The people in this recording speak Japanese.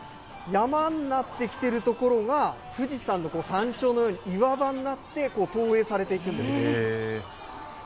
山になってきている所が富士山の山頂のように岩場になって、投影されていくんです。